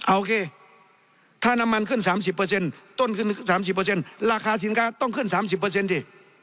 โอเคถ้าน้ำมันขึ้น๓๐ต้นขึ้น๓๐ราคาสินค้าต้องขึ้น๓๐ดิ